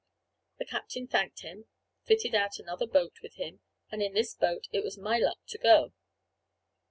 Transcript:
The captain thanked him, fitted out another boat with him, and in this boat it was my luck to go.